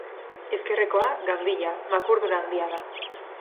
Ezkerrekoa, ganbila, makurdura handia da.